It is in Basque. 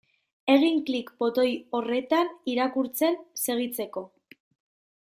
Egin klik botoi horretan irakurtzen segitzeko.